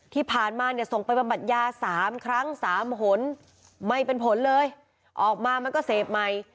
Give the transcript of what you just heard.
ที่ผ่านมาเนี่ยส่งไปบำบัดยา๓ครั้ง๓หนไม่เป็นผลเลยออกมามันก็เสพใหม่